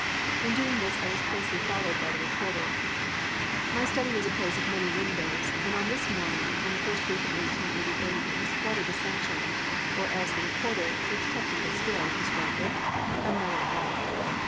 In doing this I was closely followed by the reporter. My study was a place of many windows, and on this morning in the first week of 1888 it was flooded with sunshine, or as the reporter, with technical skill, described it, "A mellow light."